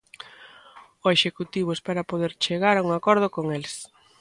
O executivo espera poder chegar a un acordo con eles.